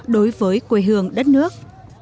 đối với quê hương đất nước